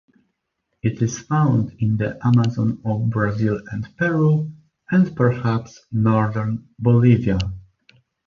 It is found in the Amazon of Brazil and Peru, and perhaps northern Bolivia.